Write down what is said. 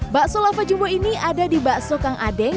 bakso lava jubo ini ada di bakso kang adeng